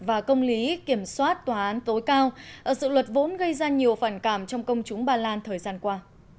và công lý kiểm soát tòa án tối cao dự luật vốn gây ra nhiều phản cảm trong công chúng ba lan thời gian qua